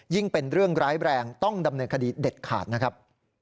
เป็นเรื่องร้ายแรงต้องดำเนินคดีเด็ดขาดนะครับ